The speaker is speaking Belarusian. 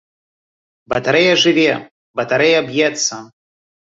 Батарэя жыве, батарэя б'ецца!